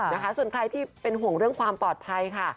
นะคะส่วนใครที่เป็นห่วงเรื่องความปลอดภัยค่ะ